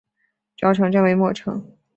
主要城镇为莫城。